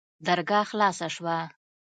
درګاه خلاصه سوه.